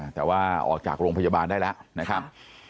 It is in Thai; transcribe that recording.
แต่ว่าออกจากโรงพยาบาลได้แล้วนะครับ